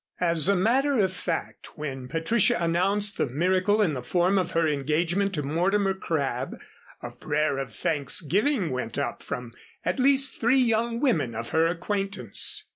As a matter of fact, when Patricia announced the miracle in the form of her engagement to Mortimer Crabb a prayer of thanksgiving went up from at least three young women of her acquaintance.